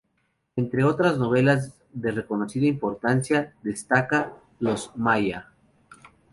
Entre otras novelas de reconocida importancia, destaca "Los Maia".